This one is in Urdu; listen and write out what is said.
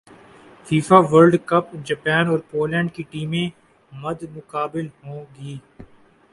فیفا ورلڈ کپ جاپان اور پولینڈ کی ٹیمیں مدمقابل ہوں گی